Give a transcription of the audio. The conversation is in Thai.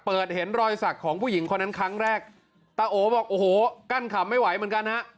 เห็นรอยสักของผู้หญิงคนนั้นครั้งแรกตาโอบอกโอ้โหกั้นขำไม่ไหวเหมือนกันฮะ